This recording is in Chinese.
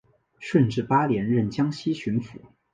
顺治八年任江西巡抚。